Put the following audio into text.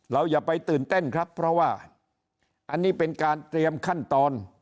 อย่าไปตื่นเต้นครับเพราะว่าอันนี้เป็นการเตรียมขั้นตอน